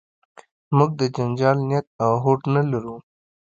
موږ د جنجال نیت او هوډ نه لرو.